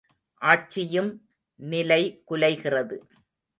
ஆட்சியும் நிலை குலைகிறது.